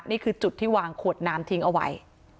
นี่คือจุดที่วางขวดน้ำทิ้งเอาไว้